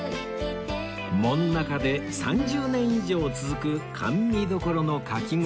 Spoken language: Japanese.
門仲で３０年以上続く甘味処のかき氷